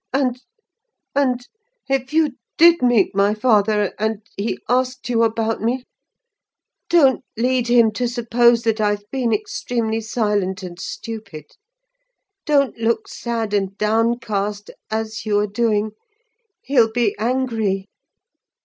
And—and, if you did meet my father, and he asked you about me, don't lead him to suppose that I've been extremely silent and stupid: don't look sad and downcast, as you are doing—he'll be angry."